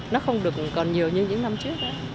nó không được còn nhiều như những năm trước